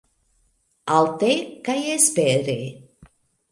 Alte kaj espere